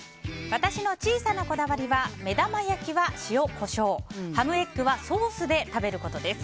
私の小さなこだわりは目玉焼きは塩、コショウハムエッグはソースで食べることです。